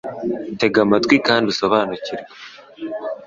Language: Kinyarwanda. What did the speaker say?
TEGA AMATWI KANDI USOBANUKIRWE